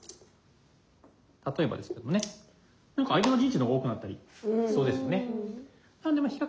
例えばですけどね相手の陣地の方が多くなったりしそうですよね。